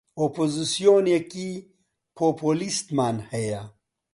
ئۆپۆزسیۆنێکی پۆپۆلیستمان هەیە